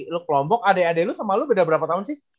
lu kelombok adek adek lu sama lu beda berapa tahun sih